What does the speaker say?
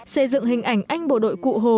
xây dựng hình ảnh anh bộ đội cụ hồ